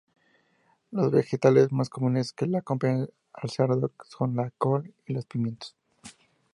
Los vegetales más comunes que acompañan al cerdo son la col y los pimientos.